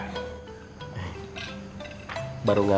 baru ngambil belum makan